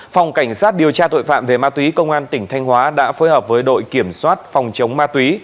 phòng cảnh sát điều tra tội phạm về ma túy công an tỉnh thanh hóa đã phối hợp với đội kiểm soát phòng chống ma túy